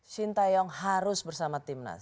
sinta young harus bersama timnas